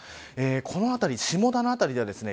この辺り、下田の辺りではですね